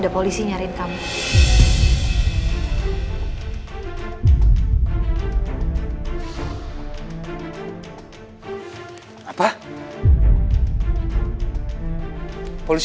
polisi nyari nisa